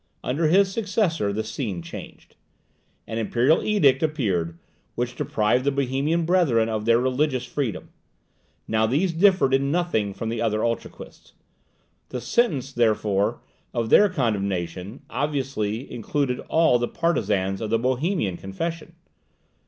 Under his successor the scene changed. An imperial edict appeared, which deprived the Bohemian Brethren of their religious freedom. Now these differed in nothing from the other Utraquists. The sentence, therefore, of their condemnation, obviously included all the partisans of the Bohemian Confession.